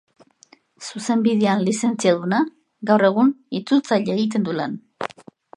Zuzenbidean lizentziaduna, gaur egun itzultzaile egiten du lan.